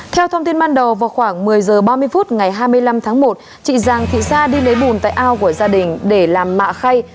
theo thông tin ban đầu vào khoảng một mươi h ba mươi phút ngày hai mươi năm tháng một chị giàng thị sa đi lấy bùn tại ao của gia đình để làm mạ khay